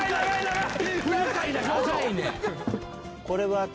これは。